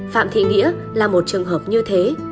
phạm thị nghĩa là một trường hợp như thế